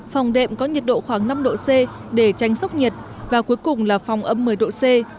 phòng đệm có nhiệt độ khoảng năm độ c để tranh sốc nhiệt và cuối cùng là phòng ấm một mươi độ c